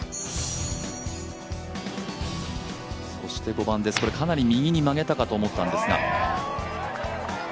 ５番です、かなり右に曲げたかと思ったんですが。